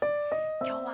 今日は。